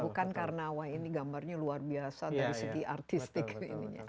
bukan karena wah ini gambarnya luar biasa dari segi artistik ininya